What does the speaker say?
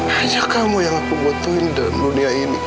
hanya kamu yang aku butuhin dalam dunia ini